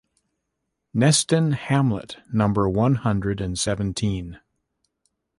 Nestin hamlet, number one hundred and seventeen